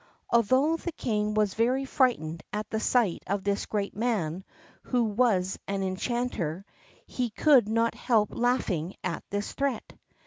Although the King was very frightened at the sight of this great man, who was an enchanter, he could not help laughing at this threat.